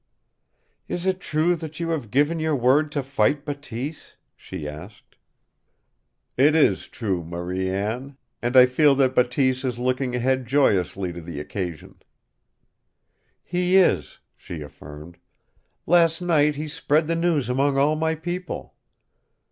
"Is it true that you have given your word to fight Bateese?" she asked. "It is true, Marie Anne. And I feel that Bateese is looking ahead joyously to the occasion." "He is," she affirmed. "Last night he spread the news among all my people.